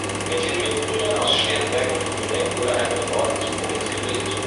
Mit den Mitbrüdern aus Sternberg und Fulnek wurde eine Ordensprovinz gebildet.